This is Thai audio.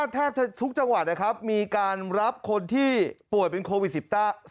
แทบทุกจังหวัดนะครับมีการรับคนที่ป่วยเป็นโควิด๑๙